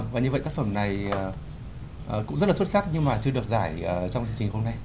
và như vậy tác phẩm này cũng rất là xuất sắc nhưng mà chưa được giải trong chương trình hôm nay